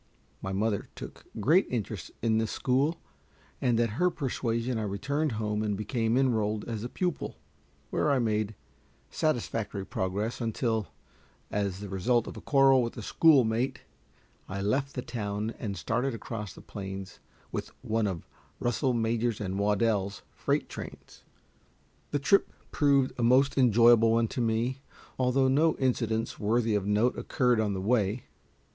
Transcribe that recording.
My mother took great interest in this school, and at her persuasion I returned home and became enrolled as a pupil, where I made satisfactory progress until, as the result of a quarrel with a schoolmate, I left the town and started across the plains with one of Russell, Majors & Waddell's freight trains. The trip proved a most enjoyable one to me, although no incidents worthy of note occurred on the way.